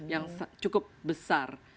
yang cukup besar